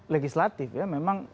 legislatif ya memang